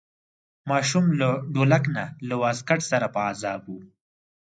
ماشوم له ډولک نه له واسکټ سره په عذاب و.